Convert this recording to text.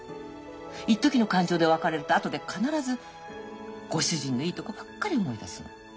いっときの感情で別れると後で必ずご主人のいいとこばっかり思い出すの。